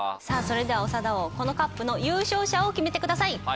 さあそれでは長田王このＣＵＰの優勝者を決めてください。